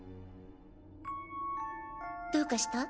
どうかした？